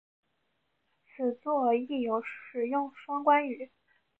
此作亦有使用双关语。